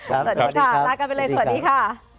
สวัสดีค่ะลากันไปเลยสวัสดีค่ะ